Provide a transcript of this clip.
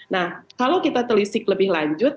nah kalau kita telisik lebih lanjut